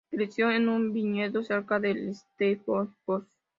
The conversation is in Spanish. Creció en un viñedo cerca de Stellenbosch.